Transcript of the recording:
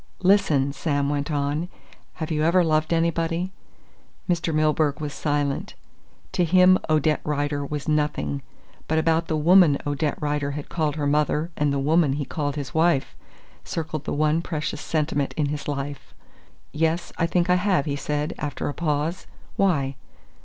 "Listen," Sam went on. "Have you ever loved anybody?" Mr. Milburgh was silent. To him Odette Rider was nothing, but about the woman Odette Rider had called mother and the woman he called wife, circled the one precious sentiment in his life. "Yes, I think I have," he said after a pause. "Why?"